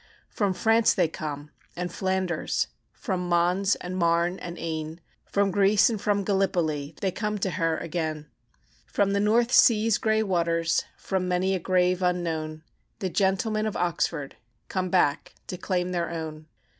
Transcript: From France they come, and Flanders, From Mons, and Marne and Aisne. From Greece and from Gallipoli They come to her again; From the North SeaŌĆÖs grey waters, From many a grave unknown, The Gentlemen of Oxford Come back to claim their own.